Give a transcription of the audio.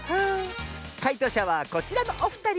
かいとうしゃはこちらのおふたり！